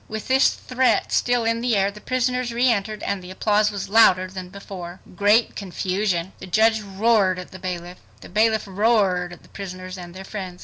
.." With this threat still in the air, the prisoners reentered and the applause was louder than before. Great Confusion! The judge roared at the bailiff. The bailiff roared at the prisoners and their friends.